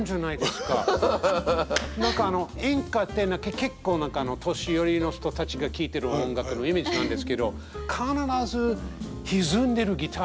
何か演歌って結構年寄りの人たちが聞いてる音楽のイメージなんですけど必ず歪んでるギターソロが入ってるんですよ。